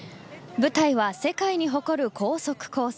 舞台は世界に誇る高速コース